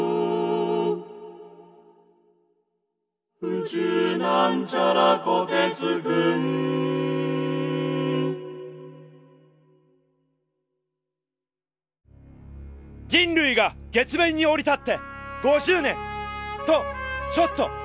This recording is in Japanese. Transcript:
「宇宙」人類が月面に降り立って５０年。とちょっと！